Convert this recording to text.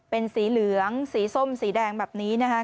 เป็นสีเหลืองสีส้มสีแดงแบบนี้นะคะ